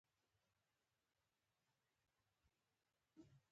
نیکه د مرستې روحیه لري.